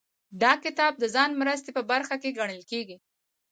دا کتاب د ځان مرستې په برخه کې ګڼل کیږي.